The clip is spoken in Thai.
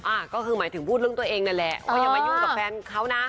อ่ะก็คือหมายถึงพูดเรื่องตัวเองนั่นแหละว่าอย่ามายุ่งกับแฟนเขานะ